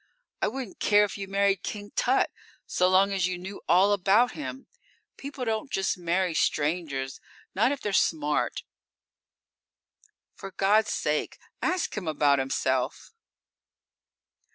I wouldn't care if you married King Tut, so long as you knew all about him. People just don't marry strangers; not if they're smart. For God's sake, ask him about himself!"